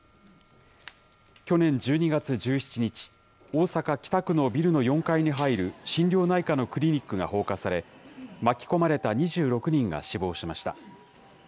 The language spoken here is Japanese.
去年１２月１７日、大阪・北区のビルの４階に入る心療内科のクリニックが放火され、巻き込まれた２６人が死亡しました。